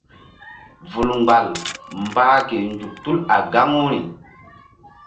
Vul mgbal mbah ke nzuk tul a gaŋu ri.